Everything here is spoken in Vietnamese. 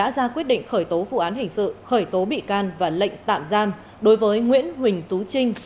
ra quyết định khởi tố vụ án hình sự khởi tố bị can và lệnh tạm giam đối với nguyễn huỳnh tú trinh